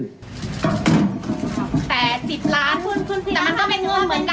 แต่๑๐ล้านแต่มันก็เป็นเงินเหมือนกัน